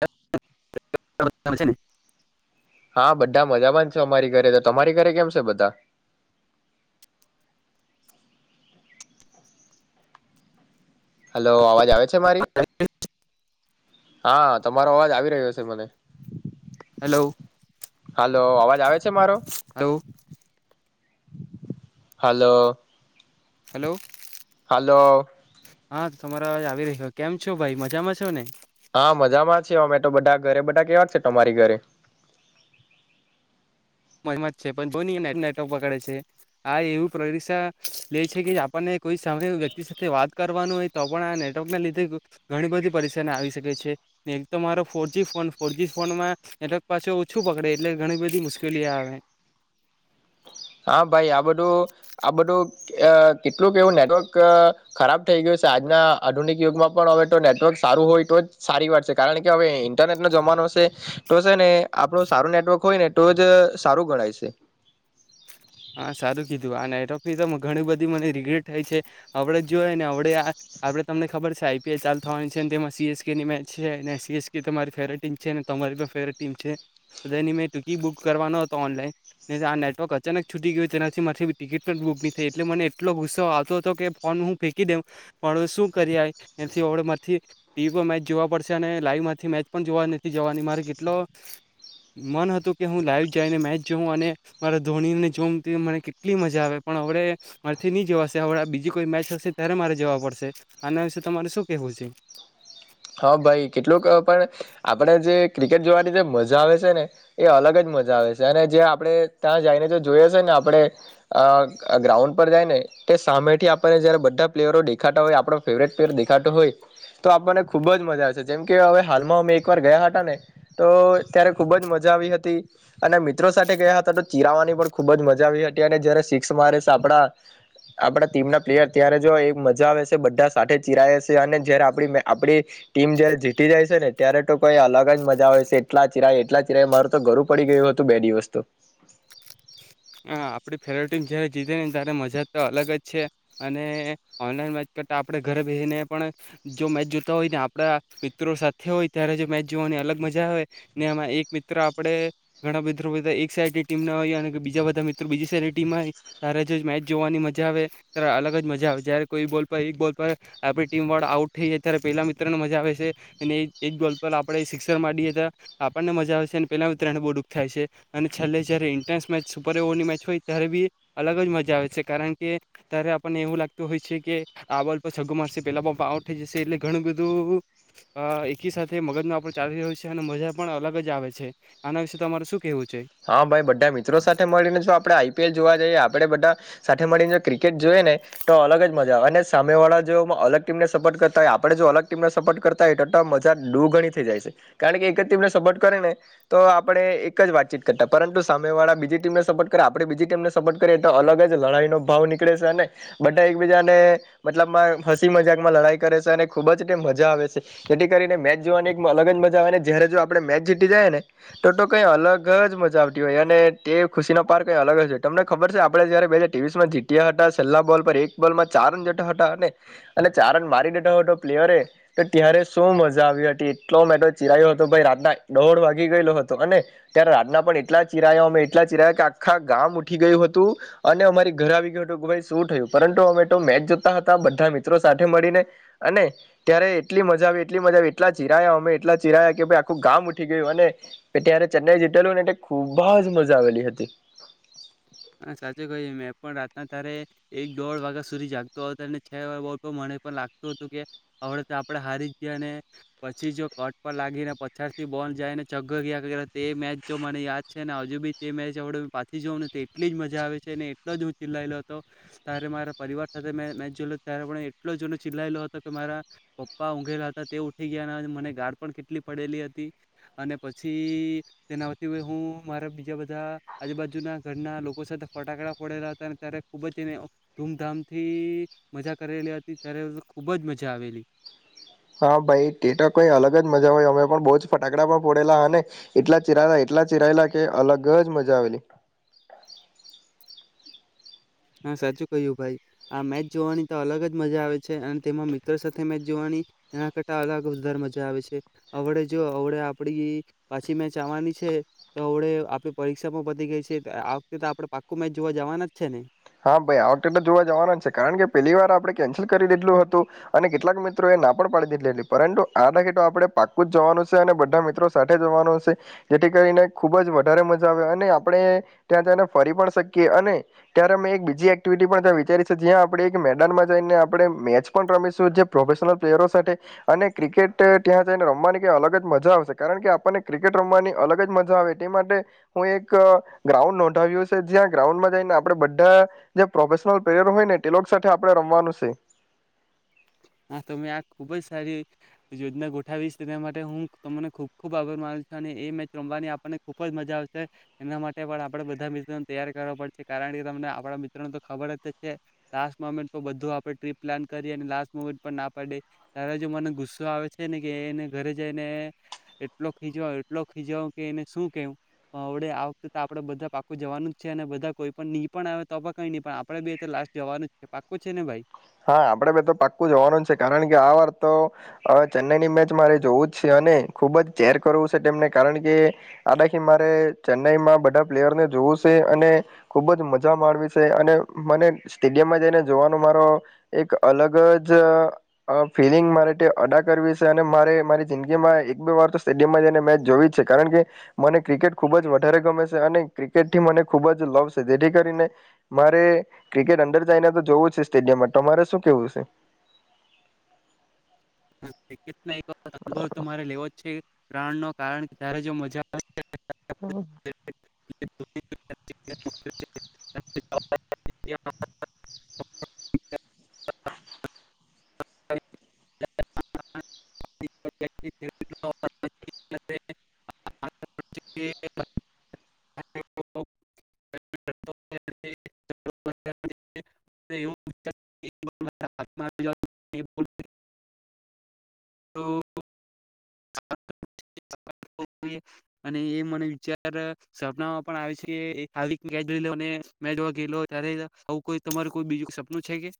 [unintelligible] છે ને હા, બધા મજામાં જ છે, અમારી ઘરે તો તમારી ઘરે કેમ છે બધા. હલો, આવાજ આવે છે મારી. હા, તમારો અવાજ આવી રહ્યો છે મને. હલો. હાલો, અવાજ આવે છે મારો. હલો. હલો. હાલો. હા તમારા આવી રહ્યો કેમ છો ભાઈ મજામાં છો ને? હા મજામાં છીએ અમે તો બધા ઘરે બધા કેવા છે તમારી ઘરે? મજામાં જ છે પણ નેટવર્ક પકડે છે આ એવું પરીક્ષા લે છે કે આપણને કોઈ સામે વ્યક્તિ સાથે વાત કરવાનું હોય તો પણ આ નેટવર્ક ને લીધે ઘણી બધી પરેશાની આવી શકે છે એક તો મારો ફોરજી ફોન ફોરજી ફોનમાં નેટવર્ક પાછો ઓછું પકડે એટલે ઘણી બધી મુશ કેલી આવે. હા ભાઈ આ બધું આ બધું અ કેટલુંક એવું નેટવર્ક ખરાબ થઈ ગયું છે આજના આધુનિક યુગમાં પણ હવે તો નેટવર્ક સારું હોય તો જ સારી વાત છે કારણ કે હવે ઈન્ટરનેટનો જમાનો શે તો છે ને આપણું સારું નેટવર્ક હોય ને તો જ સારું ગણાય છે. હા સારું કીધું આ નેટવર્કની તો ઘણી બધી મને રીગ્રેટ થાય છે આપડે જ જોઈ ને અડે આપડે તમને ખબર છે આઈપીએલ ચાલુ થવાની છે તેમાં સીએસકેની મેચ છે ને સીએસકે તો મારી ફેવરેટ ટીમ છે અને તમારી પણ ફેવરેટ ટીમ છે તો એની મેં ટિકિટ બુક કરવાનો હતો ઓનલાઈન આ નેટવર્ક અચાનક છૂટી ગયું તેનાથી માથી ટિકિટ પણ બુક નહી થઈ એટલે મને એટલો ગુસ્સો આવતો હતો કે ફોન હું ફેંકી દઉં પણવે શું કરી એથી ઓળ મામાંથી ટીવી પર મેચ જોવા પડશે અને લાઈવમાંથી મેચ પણ જોવા નથી જવાની મારે કેટલો મન હતું કે હું લાઈવ જઈને મેચ જઉં અને મારા ધોનીને જોમ મને કેટલી મજા આવે પણ હડ મારીથી નહી જવાશે હવે આ બીજી કોઈ મેચ હશે ત્યારે મારે જવા પડશે આના વિશે તમારે શું કેહેવું છે? હા ભાઈ કેટલુંક પણ આપણે જે ક્રિકેટ જોવાની જે મજા આવે છે ને એ અલગ જ મજા આવે છે અને જે આપણે ત્યાં જઈને જે જોઈએ છે ને આપણે ગ્રાઉન્ડ પર જાયને તે સામેથી આપણને જયારે બધા પ્લેયરો દેખાતા હોય આપણો ફેવરેટ પ્લેયર દેખાતો હોય તો આપણને ખૂબ જ મજા આવે છે જેમ કે હવે હાલમાં અમે એકવાર ગયા હતા ને તો ત્યારે ખૂબ જ મજા આવી હતી અને મિત્રો સાથે ગયા હતા તો ચિરાવાની પણ ખૂબ જ મજા આવી હતી અને જ્યારે સિક્સ મારે છે આપણા આપણા ટીમના પ્લેયર ત્યારે જો એ મજા આવે છે બધા સાથે ચિરા છે અને જ્યારે આપણી મે આપણી ટીમ જયારે જીતી જાય છે ને ત્યારે તો કોઈ અલગ જ મજા આવે છે એટલા ચિરાય એટલા ચિરાય માર તો ગરું પડી ગયું હતું બે દિવસ તો. હ આપણી ફેવરેટ ટીમ જયારે જીતે ને ત્યારે મજા તો અલગ જ છે અને ઓનલાઈન મેચ કરતા આપણે ઘરે બેસીને પણ જો મેચ જોતા હોય ને આપડા મિત્રો સાથે હોય ત્યારે જો મેચ જોવાની અલગ મજા આવે ને એમાં એક મિત્ર આપણે ઘણા મ્રો બા એક સાઈડની ટીમ ના હોયએ અને બીજા બધા મિત્રો બીજી શહેરની ટીમમાં ત્યારે જો મેચ જોવાની મજા આવે ત્યારે અલગ જ મજા આવે જ્યારે કોઈ બોલ પર એક બોલ પર આપણી ટીમ વાળા આઉટ થઈ જાય ત્યારે પહેલા મિત્રને મજા આવે છે અને એક બોલ પર આપણે સિક્સર માંડીએ તો્યારે આપણને મજા આવે છે અને પહેલા મિત્રોને બહુ દુઃખ થાય છે અને છેલ્લે જ્યારે એન્ટ્રન્સ મેચ સુપર ઓવરની મેચ હોય ત્યારે બી અલગ જ મજા આવે છે કારણ કે ત્યારે આપણને એવું લાગતું હોય છે કે આ બોલ પર છગ્ગો મારશે પેલા બોલ આઉટ થઈ જશે એટલે ઘણું બધું એકી સાથે મગજમાં આપ ચાલી રહ હોય છે અને મજા પણ અલગ જ આવે છે આના વિશે તમારે શું કેહેવું છે? હા ભાઈ બધા મિત્રો સાથે મળીને જો આપડણે આઈપીએલ જોવા જઈએ આપે બધા સાથે મળીને જો ક્રિકેટ જોઈએ ને તો અલગ જ મજા આવે અને સામે વાળા જો અલગ ટીમને સપોર્ટ કરતા હોય આપણે જો અલગ ટીમને સપોર્ટ કરતા હોય તો તો મજા ડુ ગણી થઈ જાય છે કારણ કે એક જ ટીમને સપોર્ટ કરે ને તો આપડણે એક જ વાતચીત કર પરંતુ સામે વાળા બીજી ટીમને સપોર્ટ કરે આપણે બીજી ટીમને સપોર્ટ કરીએ તો અલગ જ લડાઈનો ભાવ નીકળે છે ને બધા એકબીજાને મતલબમાં ફસી મજાકમાં લડાઈ કરે છે અને ખૂબ જ એ મજા આવે છે જેથી કરીને મેચ જોવાની અલગ જ મજા આવે ને જય્યારે જો આપણે મેચ જીતી જાયએ ને તો કંઈ અલગ મજા આવતી હોય અને તે ખુશીનો પાર કઈ અલગ તમને ખબર છે આપડણે જયારે બે હાજર ત્રેવીસમાં જીત્યા હતા છેલ્લા બોલ પર એક બોલમાં ચાર રન જેા હતા અને અને ચાર રન મારી દેઠા હતો પ્લેયરે તો ત્યારે શું મજા આવી હતી એટલો મેટો ચિરાયો હતો ભાઈ રાતના દોઢ વાગી ગયેલો હતો અને ત્યારે રાતના પણ એટલા ચિરાયા અમે એટલા ચિરાયા કે આખા ગામ ઉઠી ગયું હતું અને અમારી ઘર આવી ગયું હતું કે ભાઈ શું થયું પરંતુ અમે તો મેચ જોતા હતા બધા મિત્રો સાથે મળીને અને ત્યારે એટલી મજા આવી એટલી મજા આવી એટલા ચિરાયા અમે એટલા ચિરાયા કે ભાઈ આખું ગામ ઉઠી ગયું અને ત્યારે ચેન્નાઈ જીતેલું ને એટલે ખુબ જ મજા આવેલી હતી. હા સાચું કહ્યું મેં પણ રાતના તારે એક દોઢ વાગ્યા સુધી જાગતો હતો હતો ને છ વાગે બોલ તો મને પણ લાગતું હતું કે હડે તો આપડે હારી જ ગયા અને પછી જો કટ પર લાગીને પછાર થી બોલ જાયને ચગ ગયા તે મેચ જો મને યાદ છે ને હજુ બી તે મેચડ પાછી જઉં ને એટલી જ મજા આવે છે અને એટલો જ હું ચિલાયેલો હતો ત્યારે મારા પરિવાર સાથે મેં મેચ જોેલો ત્યારે પણ એટલો જનો ચિલાયેલો હતો કે મારા પપ્પા ઊઘેલા હતા તે ઉઠી ગયા મને ગાડ પણ કેટલી પડેલી હતી અને પછી તેના હું મારા બીજા બધા આજુબાજુના ઘરના લોકો સાથે ફટાકડા ફડેલા હતા અને ત્યારે ખૂબ જ એને ધૂમધામ થી મજા કરેલી હતી ત્યારે ખુબ જ મજા આવેલી. હા ભાઈ ટ કઈ અલગ જ મજા આવે અમે પણ બહુ જ ફટાકડામાં ફોડેલા અનેને એટલા ચિરાયેલા એટલા ચિરાયેલા કે અલગ જ મજા આવેલી. હા સાચું કહ્યું ભાઈ આ મેચ જોવાની તો અલગ જ મજા આવે છે અને તેમાં મિત્ર સાથે મેચ જોવાની એના કરતા અલગ વધારે મજા આવે છે હવળે જો હવળે આપડી પાછી મેચ આવવાની છે તો હવળે આપે પરીક્ષામાં પતી ગઈ છે આ વખતે તો આપણે પાક્કું મેચ જોવા જવાના જ છે ને. હા ભાઈ આ વખતે તો જોવા જવાના છે કારણ કે પહેલી વાર આપણે કેન્સલ કરી દીધલું હતું અને કેટલાક મિત્રો એ ના પણ પાડી દીધલી હતી પરંતુ આ ટકે તો આપણે પાક્કું જ જવાનું છે અને બધા મિત્રો સાથે જવાનું છે જેથી કરીને ખુબ જ વધારે મજા આવે અને આપણે ત્યાં જઈને ફરી પણ શકીએ અને ત્યારે મેં એક બીજી એક્ટિવિટી પણ ત્યાં વિચારી છે જ્યાં આપણે એક મેદાનમાં જઈને આપણે મેચ પણ રમીશું જે પ્રોફેશનલ પ્લેયરો સાથે અને ક્રિકેટ ત્યાં જઈને રમવાની કંઈ અલગ જ મજા આવશે કારણ કે આપણને ક્રિકેટ રમવાની અલગ જ મજા આવે તે માટે હું એક ગ્રાઉન્ડ નોંધાવ્યું છે જ્યાં ગ્રાઉન્ડમાં જઈને આપ આપે બધા જે પ્રોફેશનલ પ્લેયર હોય ને તે લોક સાથે આપણે રમવાનું છે. હા તો મેં આ ખુબ જ સારી યોજના ગોઠાવીશ તેના માટે હું તમને ખુબ ખુબ આભાર માનું છું અને એ મેચ રમવાની આપણને ખુબ જ મજા આવશે એના માટે પણ આપડે બધા મિત્રોને તૈયાર કરવા પડશે કારણ કે તમને આપણા મિત્રોને તો ખબર જ છે લાસ્ટ મોમેન્ટ તો બધું આપણે ટ્રીપ પ્લાન કરી અને લાસ પણ ના પાડે તારા જો મને ગુસ્સો આવે છે ને કે એને ઘરે જઈને એટલો ખીચવા એટલો ખીચવા કે એને શું કેવુંડે આ વખતે આપડે બધા પાકો જવાનું જ છે અને બધા કોઈ પણ નહી પણ આવે તો કઈ નહી પણ આપડે બે લાસ્ટ જવાનું જ છે પાકો છે ને ભાઈ. હા આપડે બ તો પાક્કું જવાનું જ છે કારણ કે આ વાર તો ચેન્નાઈની મેચ મારે જોવું જ છે અને ખુબ જ ચેર કરવું છે તેમને કારણ કે આદખ મારે ચેન્નાઈમાં બધા પ્લેયરને જોવું છે અને ખુબ જ મજા માણવી છે અને મને સ્ટેડિયમમાં જઈને જોવાનો મારો એક અલગ જ ફિલિંગ મારે અડા કરવી છે અને મારે મારી જિંદગીમાં એક બે વાર તો સ્ટેડિયમમાં જઈને મેચ જોવી જ છે કારણ કે મને ક્રિકેટ ખૂબ જ વધારે ગમે છે અને ક્રિકેટથી મને ખૂબ જ લવ છે જેથી કરીને મારે ક્રિકેટ અંદર જાયને તો જોવું છે સ્ટેડિયમ માટે તમારે શું કેવું છે? હા. ના અનુભવ તો મારે લેવો જ છે. પ્રાણ નો કારણ કે ત્યારે જો મજા આવે [inaudible] હા. [inaudible] [inaudible] અને એ મને વિચાર સપનામાં પણ આવે છે આવી મે જો મે જો ગેલો ત્યારે આવું કોઈ તમારું કોઈ બીજું સપનું છે કે